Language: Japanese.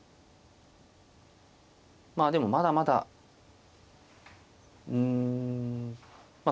まあでもまだまだうんまあ